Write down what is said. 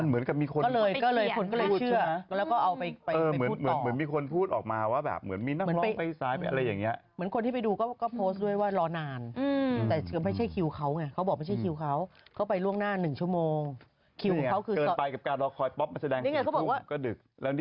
มันเหมือนกับมีคนไปเชื่อแล้วก็เอาไปพูดต่อ